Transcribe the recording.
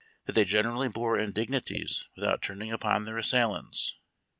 203 tliat they generally bore indignities without turning upon their assailants.